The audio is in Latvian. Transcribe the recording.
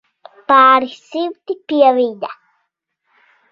Pāris simti, pie viņa.